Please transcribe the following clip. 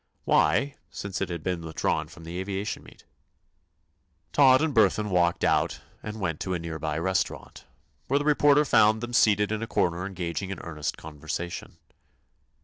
Why, since it had been withdrawn from the aviation meet? Todd and Burthon walked out and went to a near by restaurant, where the reporter found them seated in a corner engaged in earnest conversation.